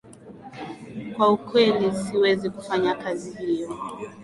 Kwa ukweli siwezi kufanya kazi hiyo